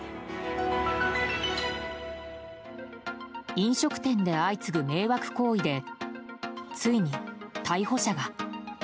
飲食店で相次ぐ迷惑行為でついに、逮捕者が。